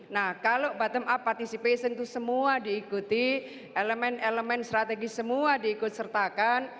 nah kalau bottom up participation itu semua diikuti elemen elemen strategis semua diikut sertakan